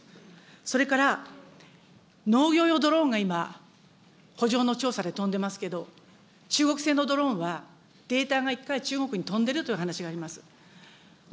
それから、農業ドローンが今、ほ場の調査で飛んでますけれども、中国製のドローンは、データが一回中国に飛んでいるという話があります。